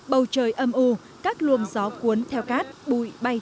bầu trời âm u các luồng gió cuốn theo cát bụi bay